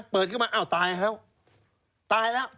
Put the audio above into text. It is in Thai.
เปิดขึ้นมาอ้าวตายแล้ว